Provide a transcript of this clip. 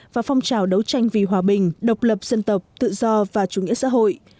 và phong trào đấu tranh vì hòa bình độc lập dân tộc tự do và chủ nghĩa xã hội